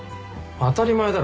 当たり前だろ。